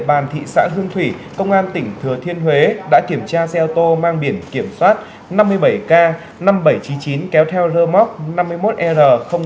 bàn thị xã hương thủy công an tỉnh thừa thiên huế đã kiểm tra xe ô tô mang biển kiểm soát năm mươi bảy k năm nghìn bảy trăm chín mươi chín kéo theo rơ móc năm mươi một r tám nghìn bảy trăm sáu mươi một